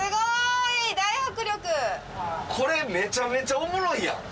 これめちゃめちゃおもろいやん！